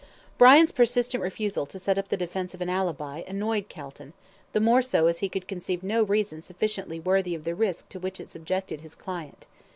Brian's persistent refusal to set up the defence of an ALIBI, annoyed Calton, the more so as he could conceive no reason sufficiently worthy of the risk to which it subjected his client.